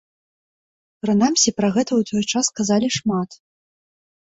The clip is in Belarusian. Прынамсі, пра гэта ў той час казалі шмат.